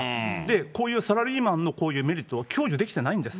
こういうサラリーマンのこういうメリットを享受できてないんです。